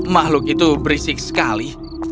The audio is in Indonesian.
makhluk itu berisik sekali